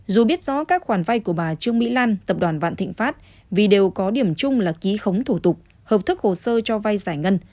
dù biết rõ các khoản vay của bà trương mỹ lan tập đoàn vạn thịnh pháp vì đều có điểm chung là ký khống thủ tục hợp thức hồ sơ cho vay giải ngân